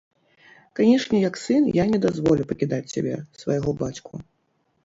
Канечне, як сын, я не дазволю пакідаць цябе, свайго бацьку.